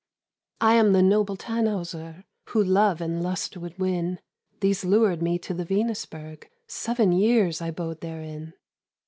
"I am the noble Tannhäuser, Who love and lust would win, These lured me to the Venusberg, Seven years I bode therein.